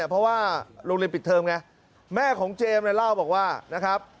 เพราะว่าโรงเรียนปิดเทอมไงแม่ของเจมส์เนี่ยเล่าบอกว่านะครับ